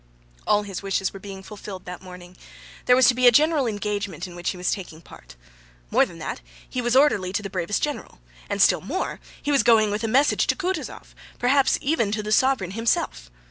All his wishes were being fulfilled that morning: there was to be a general engagement in which he was taking part, more than that, he was orderly to the bravest general, and still more, he was going with a message to Kutúzov, perhaps even to the sovereign himself.